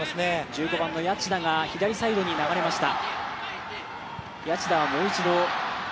１５番の谷内田が左サイドに流れました。